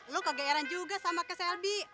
lu kegeeran juga sama ke selbi